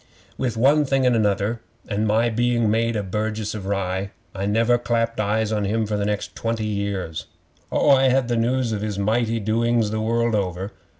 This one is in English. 'With one thing and another, and my being made a burgess of Rye, I never clapped eyes on him for the next twenty years. Oh, I had the news of his mighty doings the world over.